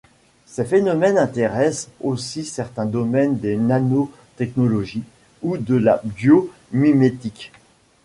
Ces phénomènes intéressent aussi certains domaines des nanotechnologies ou de la biomimétique.